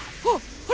あ！